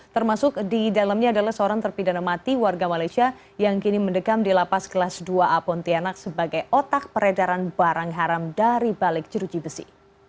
termasuk di dalamnya adalah seorang terpidana mati warga malaysia yang kini mendekam di lapas kelas dua a pontianak sebagai otak peredaran barang haram dari balik jeruji besi